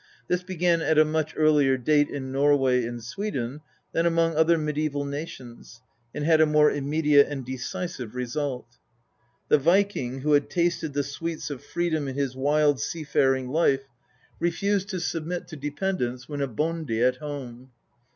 This began at a much earlier date in Norway and Sweden than among other mediaeval nations, and had a more immediate and decisive result. The Viking who had tasted the sweets of freedom in his wild seafaring life refused to submit to tHfe POETIC EDDA. dependence when a " bondi " at home.